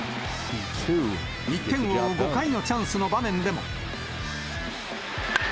１点を追う５回のチャンスの場面でも。